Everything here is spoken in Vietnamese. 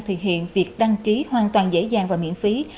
thực hiện việc đăng ký hoàn toàn dễ dàng và miễn phí